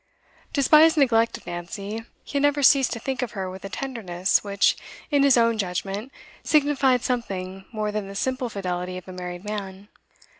Despite his neglect of Nancy, he had never ceased to think of her with a tenderness which, in his own judgment, signified something more than the simple fidelity of a married man.